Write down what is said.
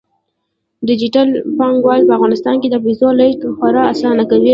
ډیجیټل بانکوالي په افغانستان کې د پیسو لیږد خورا اسانه کوي.